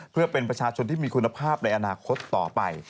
เพื่อเป็นประชาชนที่มีคุณภาพในอนาคตต่อไป